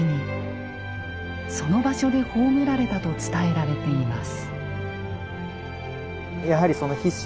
その場所で葬られたと伝えられています。